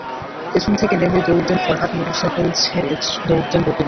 পেছন থেকে নেমে দৌড় দেন ফরহাদ, মোটরসাইকেল ছেড়ে দৌড় দেন রাকিবুল।